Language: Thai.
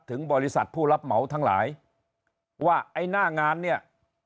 ถึงบริษัทผู้รับเหมาทั้งหลายว่าไอ้หน้างานเนี่ย